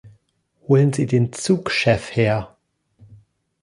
Holen Sie den Zugchef her!